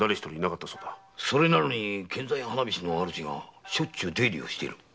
それなのに献残屋・花菱の主がしょっちゅう出入りをしている？